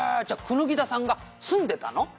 じゃあ椚田さんが住んでたの？」